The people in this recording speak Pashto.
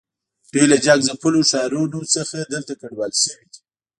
دوی له جنګ ځپلو ښارونو څخه دلته کډوال شوي دي.